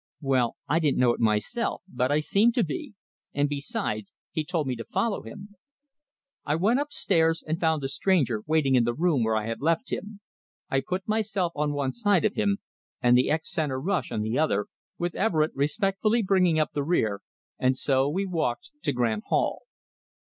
"Well, I didn't know it myself, but I seem to be; and besides, he told me to follow him." I went upstairs, and found the stranger waiting in the room where I had left him. I put myself on one side of him, and the ex centre rush on the other, with Everett respectfully bringing up the rear, and so we walked to Grant Hall.